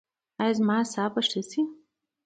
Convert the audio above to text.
ایا زما اعصاب به ښه شي؟